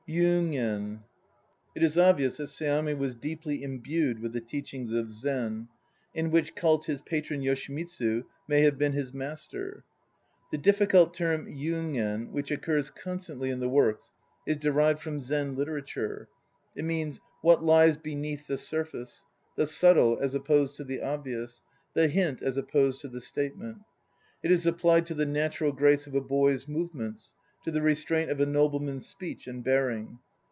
YUGEN It is obvious that Seami was deeply imbued with the teachings of Zen, in which cult his patron Yoshimitsu may have been his master. The difficult term yugen which occurs constantly in the Works is derived from Zen literature. It means "what lies beneath the sur face"; the subtle as opposed to the obvious; the hint, as opposed to the statement. It is applied to the natural grace of a boy's move ments, to the restraint of a nobleman's speech and bearing.